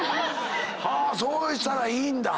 そうしたらいいんだ。